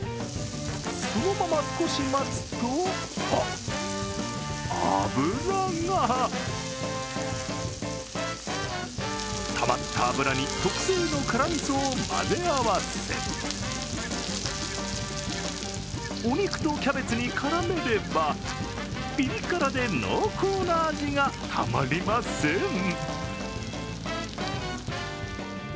そのまま少し待つと、油がたまった油に特製の辛みそを混ぜ合わせお肉とキャベツに絡めればピリ辛で濃厚な味がたまりません。